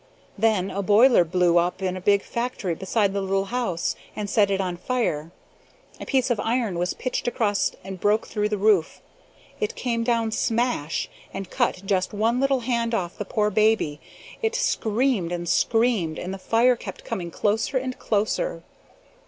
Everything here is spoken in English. Then a boiler blew up in a big factory beside the little house and set it on fire. A piece of iron was pitched across and broke through the roof. It came down smash, and cut just one little hand off the poor baby. It screamed and screamed; and the fire kept coming closer and closer.